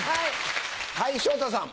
はい昇太さん。